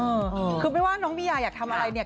เออคือไม่ว่าน้องบียาอยากทำอะไรเนี่ย